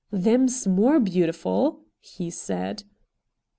' Them's more beautiful,' he said.